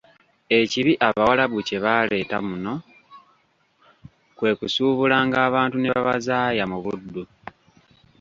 Ekibi Abawarabu kye baaleeta muno kwe kusuubulanga abantu ne babazaaya mu buddu.